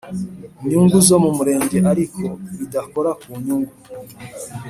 Nyungu zo mu murenge ariko bidakora ku nyungu